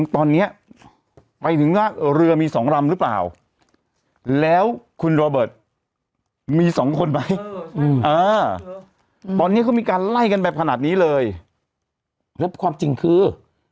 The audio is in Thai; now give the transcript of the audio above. ตอนนี้เขามีการไล่กันแบบขนาดนี้เลยแล้วความจริงคือ